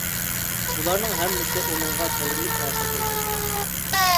بۇلارنىڭ ھەممىسى ئۇنىڭغا بەلگىلىك تەسىر كۆرسەتكەن.